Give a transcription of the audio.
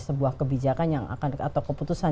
sebuah kebijakan atau keputusan